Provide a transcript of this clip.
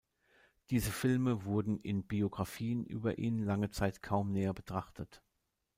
Diese Filme wurden in Biographien über ihn lange Zeit kaum näher betrachtet.